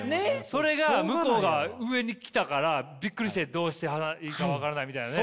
それが向こうが上に来たからびっくりしてどうしたらいいか分からないみたいなね。